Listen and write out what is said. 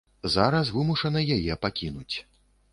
Зараз вымушаны яе пакінуць.